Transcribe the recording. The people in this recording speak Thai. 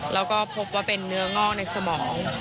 แล้วก็พบว่าเป็นเนื้องอกในสมอง